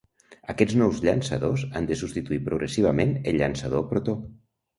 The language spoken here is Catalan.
Aquests nous llançadors han de substituir progressivament el llançador Protó.